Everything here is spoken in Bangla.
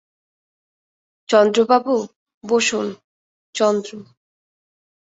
চন্দ্রবাবু, বসুন– চন্দ্র।